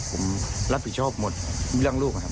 ผมรับผิดชอบหมดเรื่องลูกนะครับ